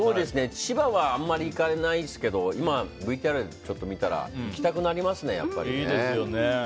千葉はあんまり行かないですけど今、ＶＴＲを見たら行きたくなりますね。